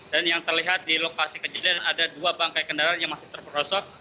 dan yang terlihat di lokasi kejadian ada dua bangkai kendaraan yang masih terperosok